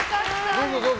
どうぞ、どうぞ。